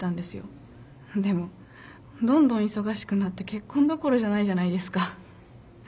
でもどんどん忙しくなって結婚どころじゃないじゃないですか。